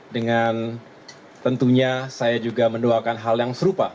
dengan tentunya saya juga mendoakan hal yang serupa